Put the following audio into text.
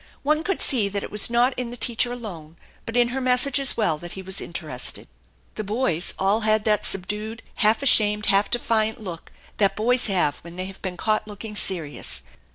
One could see that it was not in the teacher alone, but in her message as well, that he was interested. The boys all had that subdued, half ashamed, half defiant look that boys have when they have been caught looking THE ENCHANTED BARN 215 ferious.